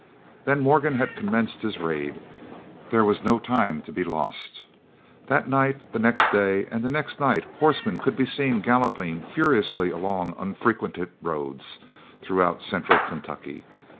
Then Morgan had commenced his raid. There was no time to be lost. That night, the next day, and the next night horsemen could be seen galloping furiously along unfrequented roads, throughout central Kentucky.